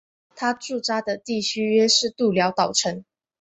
他驻扎地方约是社寮岛城。